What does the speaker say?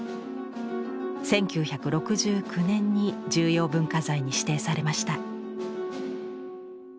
１９６９年に重要文化財に指定されました。